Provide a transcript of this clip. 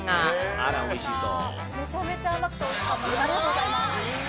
あら、おいしそう。